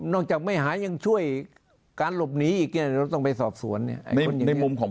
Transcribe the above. นอกจากไม่หายยังช่วยการหลบหนีอีกเรียนอีกต้องไปสอบสวน